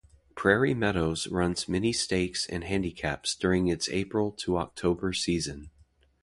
Prairie Meadows runs many stakes and handicaps during its April to October season.